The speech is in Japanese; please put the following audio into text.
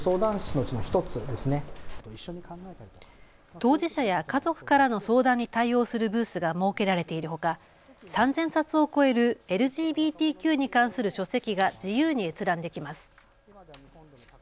当事者や家族からの相談に対応するブースが設けられているほか３０００冊を超えるＬＧＢＴＱに関する書籍が自由に閲覧できます。